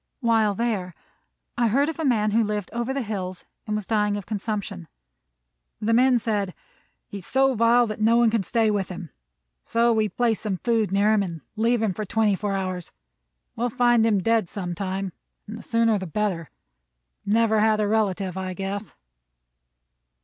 While there I heard of a man who lived over the hills and was dying of consumption. The men said: "He is so vile that no one can stay with him; so we place some food near him, and leave him for twenty four hours. We will find him dead sometime, and the sooner the better. Never had a relative, I guess."